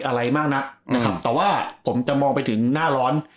อะไรมากนักนะครับแต่ว่าผมจะมองไปถึงหน้าร้อน